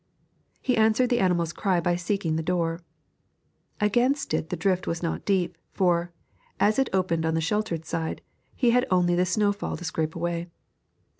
He answered the animal's cry by seeking the door. Against it the drift was not deep, for, as it opened on the sheltered side, he had only the snowfall to scrape away.